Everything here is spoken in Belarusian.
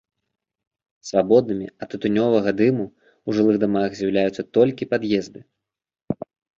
Свабоднымі ад тытунёвага дыму ў жылых дамах з'яўляюцца толькі пад'езды.